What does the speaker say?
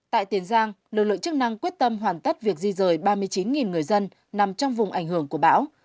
tại tiền giang lực lượng chức năng quyết tâm hoàn tất việc di rời ba mươi chín người dân nằm trong vùng ảnh hưởng của bão